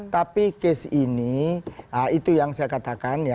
tapi case ini itu yang saya katakan ya